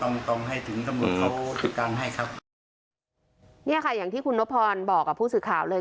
ต้องต้องให้ถึงตำรวจเขาจัดการให้ครับเนี่ยค่ะอย่างที่คุณนพรบอกกับผู้สื่อข่าวเลย